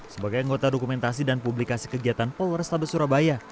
sebagai anggota dokumentasi dan publikasi kegiatan pol restoran surabaya